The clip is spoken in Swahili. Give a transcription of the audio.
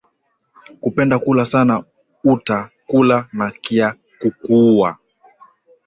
Kupenda kula sana uta kula na kya kukuuwa